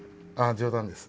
冗談です。